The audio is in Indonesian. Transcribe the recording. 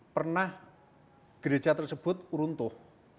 pernah gereja tersebut runtuh